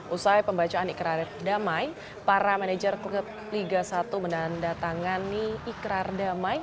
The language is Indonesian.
usai pembacaan ikrar damai para manajer klub liga satu menandatangani ikrar damai